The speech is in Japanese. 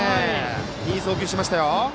いい送球しました。